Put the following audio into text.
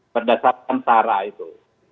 perdasarkan sara itu